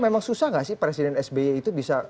memang susah nggak sih presiden sby itu bisa